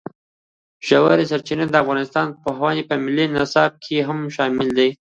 ژورې سرچینې د افغانستان د پوهنې په ملي نصاب کې هم شامل دي.